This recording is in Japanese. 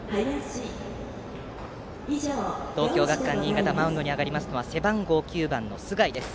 東京学館新潟マウンドに上がりますのは背番号９番の須貝です。